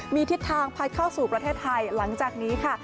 มีทิศทางพัดเข้าสู่ประเทศไทยหลังจากนี้ค่ะ